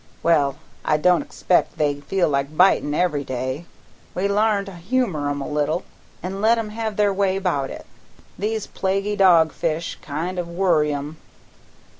Well, I don't expect they feel like bitin' every day; we l'arn to humor 'em a little, an' let 'em have their way 'bout it. These plaguey dog fish kind of worry 'em."